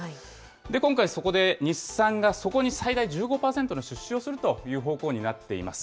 今回、そこで、日産がそこに最大１５％の出資をするという方向になっています。